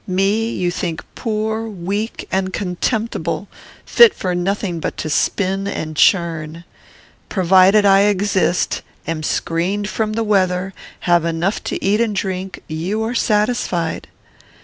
Me you think poor, weak, and contemptible; fit for nothing but to spin and churn. Provided I exist, am screened from the weather, have enough to eat and drink, you are satisfied.